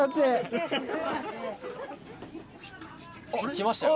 来ましたよ。